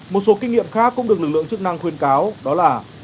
một số kinh nghiệm khác cũng được lực lượng chức năng khuyên cáo đó là